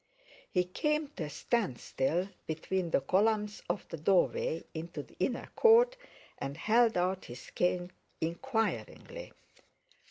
He came to a standstill between the columns of the doorway into the inner court, and held out his cane inquiringly.